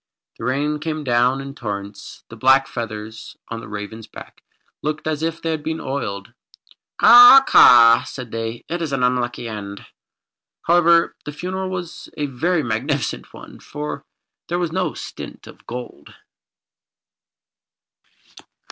The rain came down in torrents. The black feathers on the ravens' backs looked as if they had been oiled. "Caw! caw!" said they. "It was an unlucky end." However, the funeral was a very magnificent one, for there was no stint of gold.